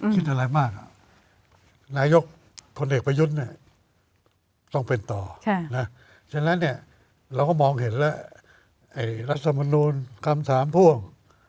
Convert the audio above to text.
ฉะนั้นเนี่ยเราก็มองเห็นแล้วรัฐสมนุนกรรมสามพ่วง